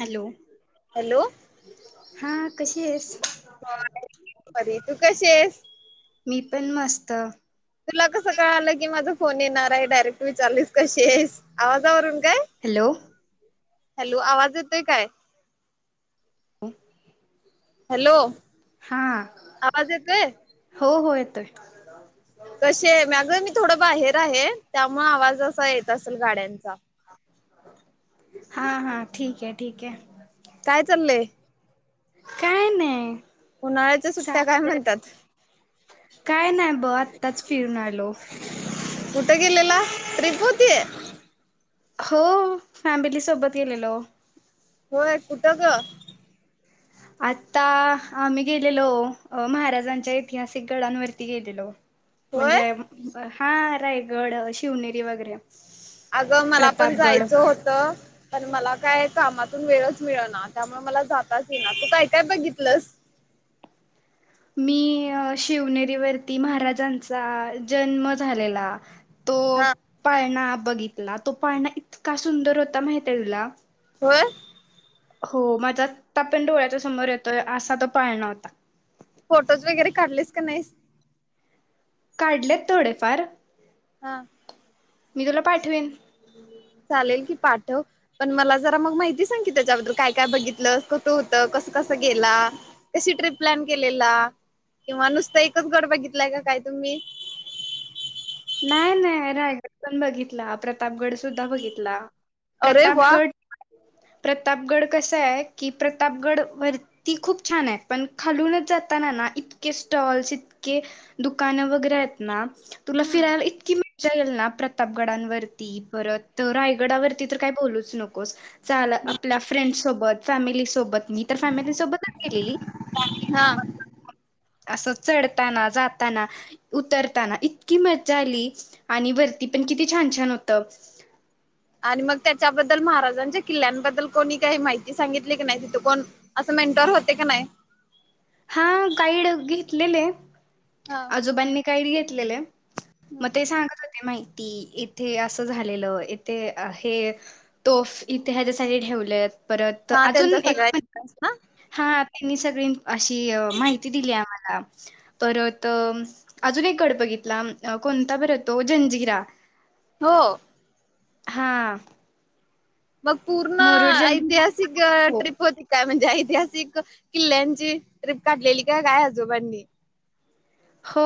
Hello! Hello हां कशी हेस? बरी तू कशी हेस? मी पण मस्त. तुला कसं कळालं की माझा फोन येणार हाय? डायरेक्ट विचारलीस कशी आहेस? आवाजावरून काय? हेलो! हॅलो! आवाज येतोय काय? [unintelligible] हॅलो! आवाज येतोय? हा-हो-होय [unintelligible] ताहे त्यामुळं आवाज असा येत तसल गाड्यांचा हा हा.... ठीक आहे ठीक आहे काय चललंय? काय नाई उन्हाळ्याच्या सुट्ट्या काय म्हणतात... काय नाही ब आत्ताच फिरून आलो कुठं गेलेला? त्रीपुती? हो फॅमबीली सोबत गेलेलो... होय कुट ग आत्ता आम्ही गेलेलो. अ महाराजांच्या ऐतिहासिक गडांनवरती गेलेलो. होय म्हणजे आ मं... हा रायगड शिवनेरी वगैरे... अगं मला पण प्रतापगड जायचं होतं पण मला काय कामातून वेळचं मिळना त्यामुळं मला जाताचं येना, तू काय काय बघितलंस? मी अ शिवनेरीवररती महाराजांचा जन्म झालेला तो हा पाळना बघित ला तो पाळणा इतका सुंदर होता माहिताय तूला? बर हो माझा आता पण डोळ्याच्या समोर येतोय, असा तो पाळण होता. फोटोज वगैरे काढलेस का नहीस? काढलेत थोडेफार हा मी तुला पाठवेन. चालेल कि पाठव. पण मला जरा मग माहिती सांग की त्याच्याबद्दल, की काय काय बघितलं, कतं होत कसं कसं गेला? कशी ट्रिप प्लॅन केलेला किंवा नुसतं एकच गड बघितलाय का काय तुम्ही? नाही नाही रायगड पण बघितला. प्रतापगड सुद्धा बघितला अरे वा प्रतापगड, प्रतापगड कसं हाय, की प्रतापगड वरती खूप छानाय पण खालूनच जाताना ना इतके स्टॉल्स, इतके दुकानं वगैरे आहेत ना हम्म फिरायला इतकी मी चढेल ना प्रतापगडांवरती परत रायगडावरती तर काय बोलूच नकोस झालं आपल्या फ्रेंड्ससोबत फॅमिलीसोबत मी तर फॅमिली सोबतच गेलेली [inaudible] हा. असं चढताना जाताना उतरताना इत की मज्जा आली आणि वरती पण किती छान छान होत. आणि मग त्याच्याबद्दल महाराजांच्या किल्ल्यांबद्दल कोणी काही माहिती सांगितली की नाय तिथ कोण असं मेंटोर होत की नाय लेले हा आजोबांनी काय लेले मग हम्म ते सांगत होते ती माहिती इथे असं झालेलं, इथे हे तोफ इथे हयाच्यासाठी ठेवलेत. परत हा अजून त्यांचा सगळा एक इतिहास ना [inaudible] हा ते मी सगळी अशी माहिती दिली आम्हाला परत अजून एक गड बघितला, कोणता? बरं तो जंजिरा हो हा मग पूर्ण मुरुड जंजिरा ऐतिहासिक अअ ट्रिप होती काय म्हण ऐतिहासिक किल्ल्यांची ट्रीप काढलेली का काय आजोबांनी? हो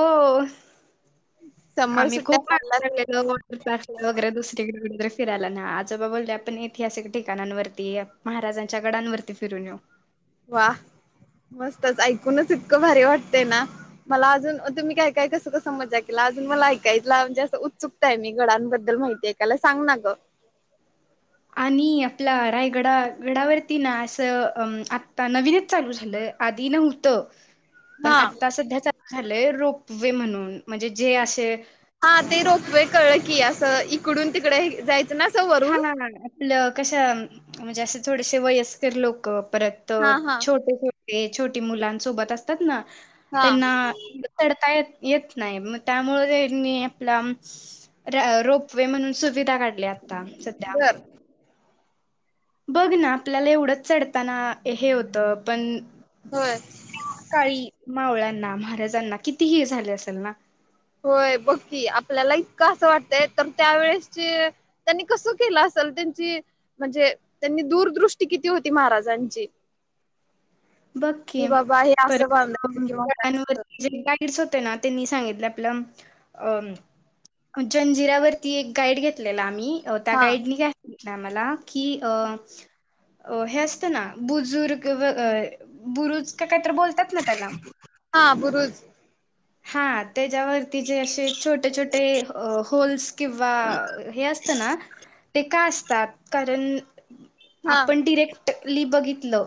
समर आम्ही सुट्ट्या खूप [inaudible] पडलात वॉटर पार्क वगैरे दुसरीकडे कुठेतरी अस फिरायला न्या आजोबा बोलले आपण ऐतिहासिक ठिकाणांवरती महाराजांच्या गडांवरती फिरून येऊ वा मस्तच ऐकूनच इतकं भारी वाटतंय ना मला अजून तुम्ही काय काय कसं कसं मज्जा केला अजून मला ऐकायला म्हणजे असं उत्सुकता आहे मी गडांबद्दल माहिती ऐकायला सांग ना ग आणि आपला रायगडा गडावरती ना असं अ आता नवीनच चालू झाल आधी नव्हतं पण हा आत्ता सध्याचा झालय रोपवे म्हणून म्हणजे जे असे हा ते अम रोपवे कळलं की अस त इकडून तिकड हे जाय हा ना ना आपलं कसं म्हणजे असं थोडेसे वयस्कर लोक परत हा हा छोटे छोटे छोटी मुलां सोबत असतात ना हा त्यांना चढता येत येतनाय म त्यामुळं यांनी आपलं र रोपवे म्हणून सुविधा काढली काम सध्या बर बघ ना आपल्याला एवढच चढताना हे होतं पण होय काळी मावळ्यांना महाराजांना किती हे झालं असलं ना व्हय बघ की आपल्याला इतकं अस वाटतंय तर त्यावेळेस चे त्यांनी कस केले असेल त्यांची म्हणजे त्यांनी दूरदृष्टी किती होती महाराजांची बघ कि की बाबा हे असं परत [unintelligible] बांधायचं किंवा काय असं ते ना त्यांनी सांगितलं आपलं अहं उज्जैनजिऱ्यावरती एक गाइड घेतलेला आम्ही अह त्या हा गाईड नी काय ते आम्हाला की अह अह हे असत ना की बुजुर्ग अह बुरुज काय काहीतरी बोलत्यात ना त्याला हा [inaudible] हात तेच्यावरती जे असे छोटे छोटे होल्स किंवा अह हे असत ना ते का असत त्यातकारण हा आपण डिरेक्ट लि बघितलं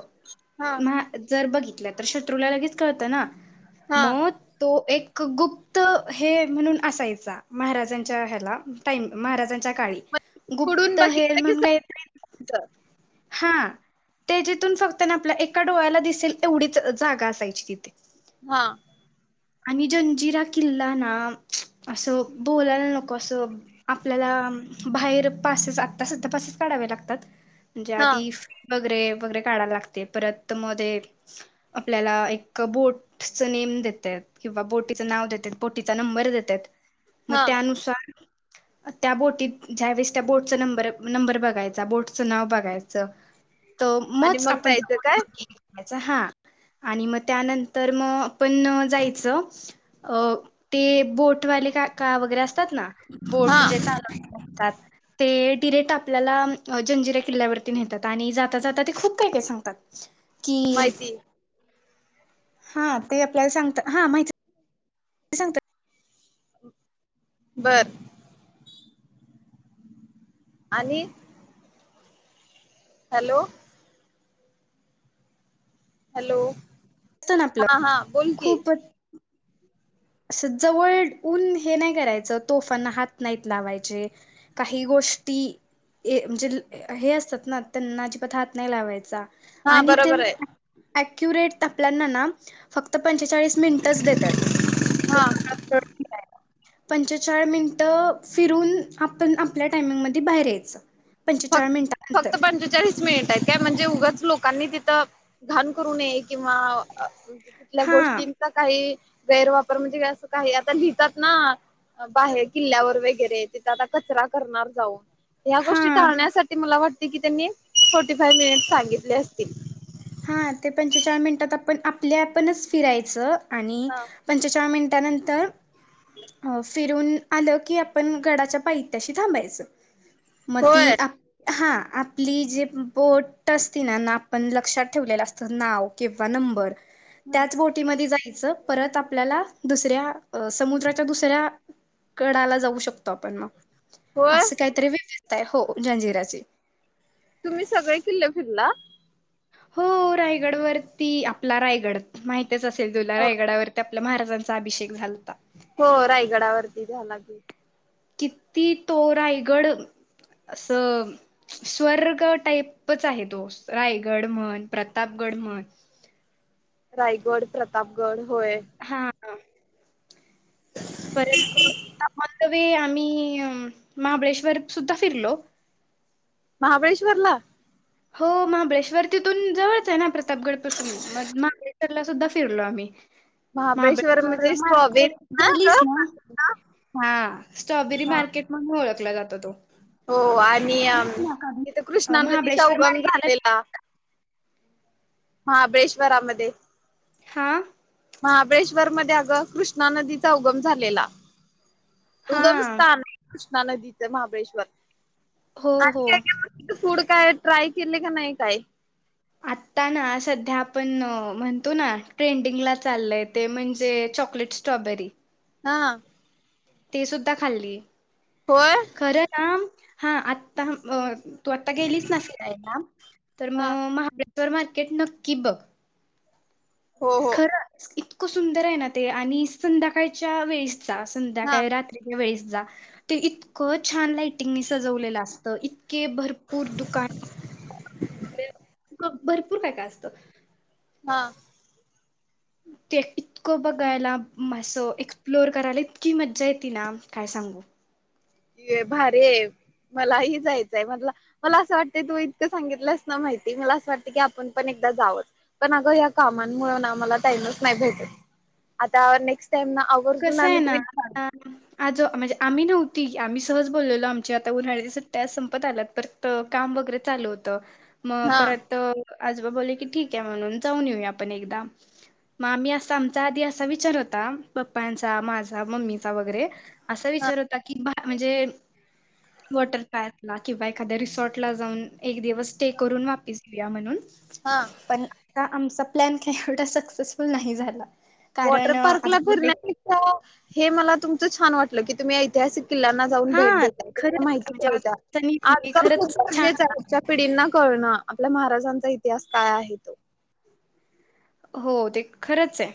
हा मं जर बघित नाहीतर शत्रूला लगेच कळतं ना हा मौत एक गुप्त हे म्हणून असायचा महाराजांच्या ह्याला नाही महाराजांच्या काही मग पुढून गुप्त हेर बघितलं की म्हणून काय समजायचं हा ते जिथून फक्त ना लआपल्या एका डोळ्याला दिसेल तेवढीच जागा असायची हा आणि जंजिरा किल्ला ना असं ज्या हा आधी वगैरे वगैरे काढायला लागते परत मध्ये आपल्याला एक बोटच नेम देते किंवा बोटीचं नाव देतेत बोटीचा नंबर देत्यात मं हा त्यानुसार त्या बोटीत ज्या वेळेस तो आणि मोज मग आपण जायचं काय हा आणि म त्यानंतर म पण जायच [unintelligible] अं ते बोट वाले काका वगैरे असं म्हणत्यात ना हा बोटजे चालवतात म्हणतात ते ति रेट आपल्याला जंजिऱ्या किल्ल्यावरती नेहतात आणि जाता जाता ते खूप काय काय सांगतात. की माहिती हा ते आपल्याला सांगतात. [unintelligible] [unintelligible] बर आणि हॅलो हॅलो ना आपलं हा हा बोल कि? अस जवळ ऊन हे नाही करायच तोफांना हात नाहीत लावायचे काही गोष्टी म्हणजे हे असतात ना त्यांना अजिबात हात नाही लावायचा. हा आणि ते बरोबर आहे अक्युरेट तापल्याना ना फक्त पंचेचाळीस मिनिटच देतात हा [unintelligible] पंचेचाळ मिनिट फिरून आपण आपल्या टायमिंगमध्ये बाहेर यायच. फक् फक्त पंचेचाळीस मिनिट हायत. काय म्हणजे उगाच लोकांनी तिथं घाण करु नये. किंवा तिथल्या हा गोष्टीच्या काही गैरवापर म्हणजे अस काही आता लिहितात ना बाहेर किल्ल्यावर वैगरे तिथे आता कचरा करणार जाऊन. या हा गोष्टींवर टाळण्यासाठी साठी मला वाट ती की त्यानीं फोर्टिफाय मिनिट सागेतले असतील. हा ते पंचेचाळ मिनिटात आपण आपले आपणच फिरायच आणि हा. पंचेचाळ मि त्यानंतर अ फिरून आलो की आपण गडाच्या पायथ्याशी थांबायच. म ती होय आ हा आपली जी बोट असती ना आपण लक्षात ठेवलेल असत नाव किंवा नंबर त्याच बोटी मध्ये जाय ज परत आपल्याला दुसऱ्या अ समुद्राच्या दुसऱ्या कडाला जावू शकतो आपण म. होय अस काहीतरी वेगळं काय हो जंजिराची. तुम्ही सगळे किल्ले फिरला? हो रायगड वरती, आपला रायगड माहि [unintelligible] आपल्या महाराजांचा अभिषेक झालता. हो रायगडावरती झाला [inaudible] कित कि ती तो रायगड असं स्वर्ग टाईपच आहे तो रायगड म्हण प्रतापगड म्हण रायगड, प्रतापगड. होय. हा तरी आम्ही महाबळेश्वर सुद्धा फिरलो. महाबळेश्वरला? हो महाबळेश्वर तिथून जवळच आहे ना प्रतापगड पासुन, मग महाबळेश्वरला सुद्धा फिरलो आम्ही. महाबळेश्वर म्हणजे स्ट्रॉबेरी मार्केट गेलीस ना, हा हा स्ट्रॉबेरी मार्केट म्हणून ओळखला जातो तो. हो आणि तिथं कृष्णा नदीचा महाबळेश्वर उगम मार्केटला झालेला महाबळेश्वरामध्ये हा महाबळेश्वरमध्ये अगं कृष्णा नदीचा उगम झालेला. हा उगमस्थान [inaudible] कृष्णा नदीचं महाबळेश्वर. हो आणि हो काय काय बघितलं फूड काय ट्राय केले का नाही काय? आता ना सध्या आपण म्हणतो ना ट्रेंडिंगला चाललंय ते म्हणजे चॉकलेट स्ट्रॉबेरी. हा ते सुद्धा खाल्ली. होय खरं ना हां आत्ता अ तू आत्ता गेलीस ना फिरायला, तर हा मग महाबळे तर मार्केट नक्की बघ. हो हो खरंच इत इतकं सुंदर आहे ना ते आणि संध्याकाळच्या वेळेस जा हा संध्याकाळी रात्रीच्या वेळीस जा ते इतकं छान लायटिंगनीं सजवलेलं असतं इ के भरपूर दुकान [inaudible] भरपूर काय काय असतं. हा! ते इतकं बघायला असं एक्सप्लोअर करायला, इतकी मज्जा येती ना काय सांगू. ये भारे मलाही जायचय म्हटल मला अस वाटत तू इतक वेळ भारीये मलाही जायचंय मला अस वाटतय तु इतक सांगितलंयस नां माहिती मला असं वाटतंय की आपण पण एकदा जाव पण अग या कामांमुळ ना मला टाईमच नाही भेटत आता नेक्स् कसये ना आ आज म्हणजे आम्ही नव्ह ती आम्ही सहज बोललेलो आमच्या आता उन्हाळ्याच्या सुट्ट्या संपत आलात पर काम वगरे चालू होत. मग हा परत आजोबा बोले की ठीक आहे म्हणून जाऊन येऊया आपण एकदा मग आम्ही अस आमचा आधी असा विचार होता. पप्पांचा माझा मम्मीचा वगैरे असा हा विचार होता की भा म्हणजे वॉटर पार्क ला किंवा एखाद्या रिसॉर्ट ला जाऊन एक दिवस स्टे हा करून वापीस या म्हणून हा पण आता आमचा प्लॅन काही एवढा सक्सेसफुल नाही झाला. कारण आज पूरना कि ता हे मला तुम छान वाटल की तुम्ही ऐतिहासिक किल्याना जाऊन हा भेट देता येते त्यांना खरंच माहिती म्हणजे आज कळता त्यांनी ते आजकाल खरंच खूप गरजेचा छान आजच्या पिढींना कळणं आपल्या महाराजांचा इतिहास काय आहे तो हो ते खरचे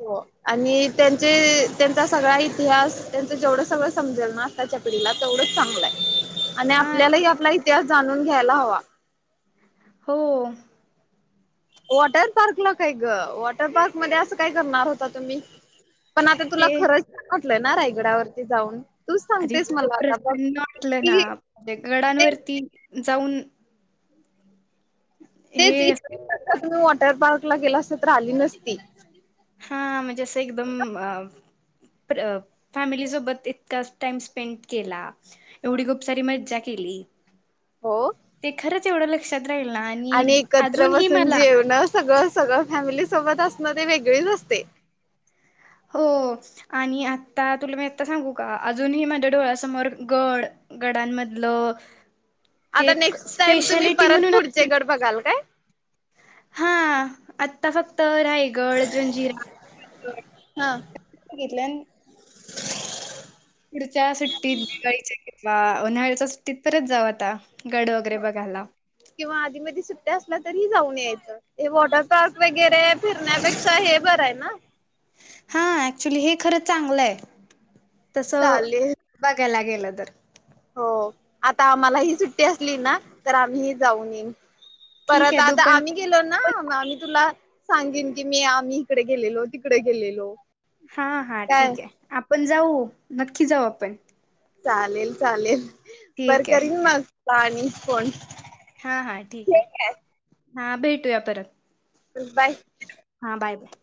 हो आणि त्यांचे त्यांचा सगळा इतिहास त्यांच जेवढं सगळं समजल ना आताच्या पिढीला तेवढंच चांगलंय आणि हा आपल्यालाही आपला इतिहास जाणून घ्यायला हवा हो वॉटर पार्कला काय ग वॉटर पार्क मध्ये अस काय करणार होता तुम्ही? पण आता ते तुला खर [unintelligible] ना रायगडावरती जाऊन तूच आर सांगतेस इतकं मला आता बघ प्रसन्न वाटल ना की ते गडांवरती जाऊन तेच हे असं [unintelligible] वॉटर पार्क ला गेला असता तर आली नसती. हा म्हणजे असं एकदम प्र फॅमिली सोबत इतका टाइम स्पेंड केला. हा. एवढी गुपसारी मज्जा पिली हो ते खरंच एवढ ल आणि एकत्र बसून मला जेवण सगळ सगळ फॅमिली सोबत अस मध्ये वेगळे रस्ते हो आणि आता तुला मी आत्ता सांगू का अजूनही माझ्या डोळ्यासमोर गड गडांमधलं ते आता एक नेक्स्ट टाइम तुम्ही स्पेशालिटी परत म्हणून पुढचे असते. गड बघाल काय? हा आत्ता फक्त [unintelligible] रायगड जंजिरा [unintelligible] हा. बघितलं ना [inaudible] पुढच्या सुट्टीत दिवाळीच्या किंवा उन्हाळ्याच्या सुट्टीत परत जाऊ आता गड वगैरे हो बघायला किंवा आधी मधी सुट्ट्या असल्या तरी जाऊन यायचं हे वॉटर पार्क वगैरे फिरण्यापेक्षा हे बरं आहे ना? हा ऍक्च्युली हे खरंच चांगलं आहे तस चालेल. ब तेला गेलं तर हो आता आम्हाला ही सुट्टी असली ना? तर आम्ही ही जाऊन येईन ठीक परत आहे तू आता पण आम्ही गेलो ना म आम्ही तुला सांगेन की मी आम्ही तिथं गेलेलो, तिकडे गेलेलो हां हा काय ठीक आहे आप आपण जाऊ नक्की, जाऊ आपण [inaudible] चालेल चालेल बर ठीक आहे करीन मग पाणी फोन हा हा ठीक आहे हा भेटूया परत. चल बाय [inaudible] हां बाय बाय.